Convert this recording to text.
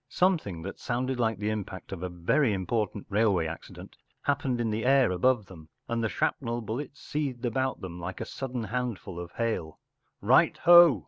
Something that sounded like the impact of a very important railway accident happened in the air above them, and the shrapnel bullets seethed about them like a sudden handful of hail “ Right ho